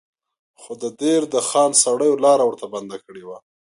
خو د دیر د خان سړیو لاره ورته بنده کړې وه.